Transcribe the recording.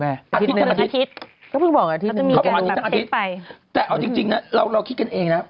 แต่จริงเราคิดกันเองนะ